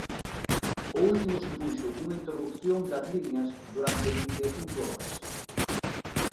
O último supuxo unha interrupción das liñas durante vinte e cinco horas.